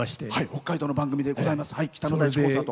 北海道の番組でございます。